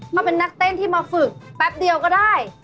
มาเป็นนักเต้นที่มาฝึกแป๊บเดียวก็ได้